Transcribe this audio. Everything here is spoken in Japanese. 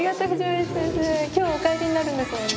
今日はお帰りになるんですよね。